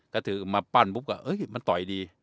ก็ถือมาปั้นปุ๊บก็มันต่อยดี